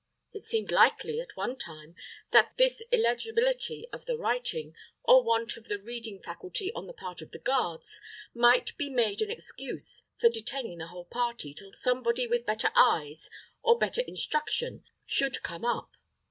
It seemed likely, at one time, that this illegibility of the writing, or want of the reading faculty on the part of the guards, might be made an excuse for detaining the whole party till somebody with better eyes or better instruction should come up.